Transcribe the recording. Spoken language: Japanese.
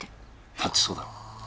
だってそうだろ？